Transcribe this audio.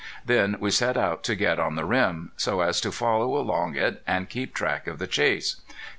Then we set out to get on the rim, so as to follow along it, and keep track of the chase.